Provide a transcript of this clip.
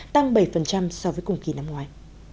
tăng bảy so với cùng kỳ năm ngoài